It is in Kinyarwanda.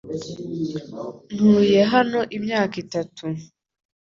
Ntuye hano imyaka itatu.